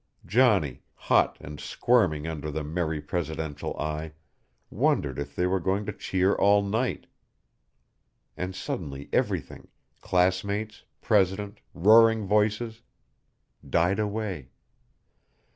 Johnny, hot and squirming under the merry presidential eye, wondered if they were going to cheer all night. And suddenly everything class mates, president, roaring voices died away.